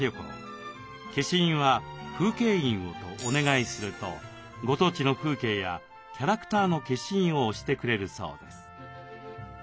消印は風景印をとお願いするとご当地の風景やキャラクターの消印を押してくれるそうです。